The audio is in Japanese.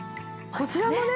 こちらもね